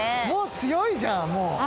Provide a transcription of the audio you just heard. もう強いじゃんもう。